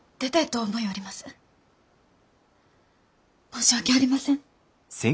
申し訳ありません。